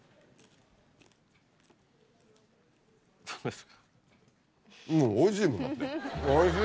どうですか？